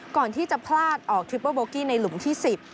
ก่อนที่จะพลาดออกทริปเปอร์โบกี้ในหลุมที่๑๐